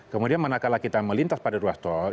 kemudian manakala kita melintas pada ruas tol